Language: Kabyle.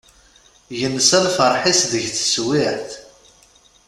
Yensa lferḥ-is deg teswiεt.